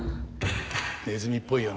ネズミっぽいよね。